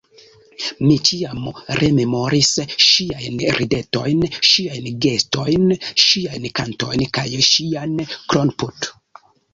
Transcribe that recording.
Mi ĉiam rememoris ŝiajn ridetojn, ŝiajn gestojn, ŝiajn kantojn kaj ŝian kron-put.